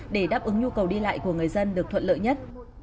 để đáp ứng nhu cầu đi lại của người dân được thuận lợi nhất